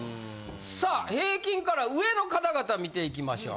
さあ平均から上の方々見ていきましょう。